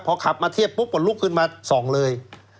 พอขับมาเทียบปุ๊บก็ลุกขึ้นมาส่องเลย